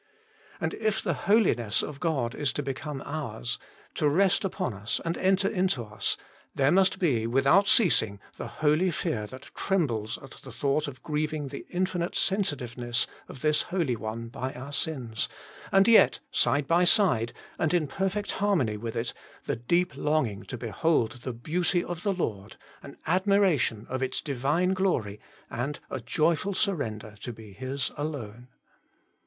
And if the Holiness of God is to become ours, to rest upon us, and enter into us, there must be, without ceasing, the holy fear that trembles at the thought of grieving the infinite sen sitiveness of this Holy One by our sins, and yet side by side, and in perfect harmony with it, the deep longing to behold the Beauty of the Lord, an admira tion of its Divine glory, and a joyful surrender to be His alone.